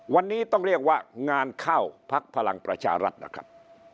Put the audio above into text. วันนี้ต้องเรียกว่างานเข้าพักพลังประชารัฐนะครับ